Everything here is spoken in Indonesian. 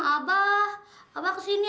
assalamualaikum pak komandan